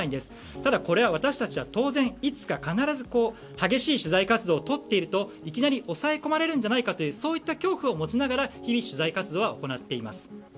ただ、これは私たちは当然、いつか必ず激しい取材活動を撮っているといきなり押さえ込まれるんじゃないかといった恐怖を持ちながら日々、取材活動を行っています。